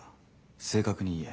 正確に言え。